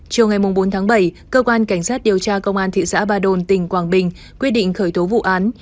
chiều ngày bốn tháng bảy cơ quan cảnh sát điều tra công an thị xã ba đồn tỉnh quảng bình quyết định khởi tố vụ án